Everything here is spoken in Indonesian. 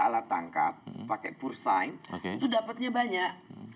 alat tangkap pakai pursain itu dapatnya banyak